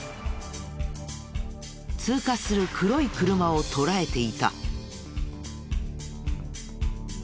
通過する黒い車を捉えていた。